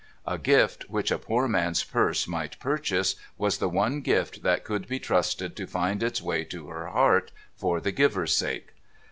A gift, which a poor man's purse might purchase, was the one gift that could be trusted to find its way to her heart, for the giver's sake.